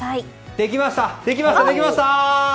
できました、できました！